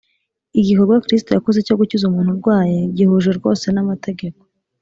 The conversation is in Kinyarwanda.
. Igikorwa Kristo yakoze cyo gukiza umuntu urwaye gihuje rwose n’amategeko.